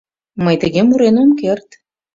Мый тыге мурен ом керт...